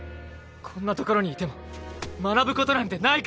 こんな所にいても学ぶことなんてないからだ！